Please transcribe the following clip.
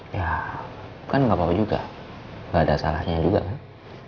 ya bukan apa apa juga nggak ada salahnya juga kan